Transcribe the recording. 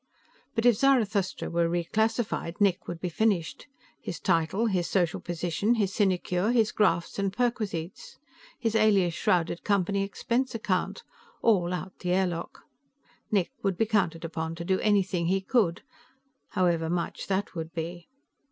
But if Zarathustra were reclassified, Nick would be finished. His title, his social position, his sinecure, his grafts and perquisites, his alias shrouded Company expense account all out the airlock. Nick would be counted upon to do anything he could however much that would be.